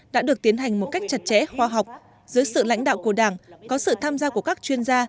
đã được tiến hành một cách chặt chẽ khoa học dưới sự lãnh đạo của đảng có sự tham gia của các chuyên gia